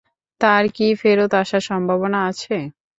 তার কি ফেরত আসার সম্ভাবনা আছে?